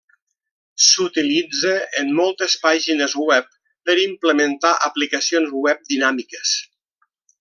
S'utilitza en moltes pàgines web per implementar aplicacions web dinàmiques.